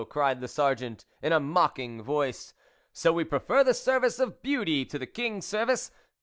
cried the Sergeant in a mocking voice, " so we pre fer the service of beauty to the King's service